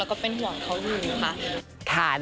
แล้วก็เป็นหวังเค้าหืมตังคาร่ะ